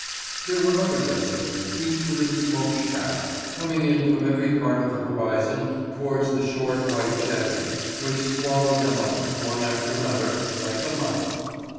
There were other vessels, each with its smoky cap, coming in from every part of the horizon towards the short white jetty, which swallowed them up, one after another, like a mouth.